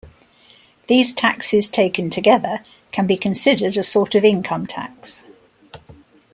These taxes taken together can be considered a sort of income tax.